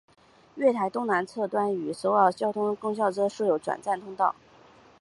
月台东南侧端与首尔交通公社车站设有转乘通道。